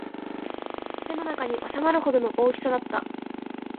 手の中に収まるほどの大きさだった